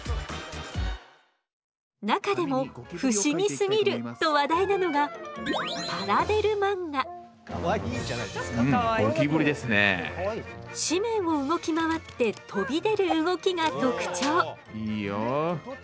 中でも「不思議すぎる！」と話題なのが紙面を動き回って飛び出る動きが特徴。